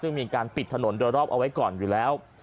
ซึ่งมีการปิดถนนโดยรอบเอาไว้ก่อนอยู่แล้ว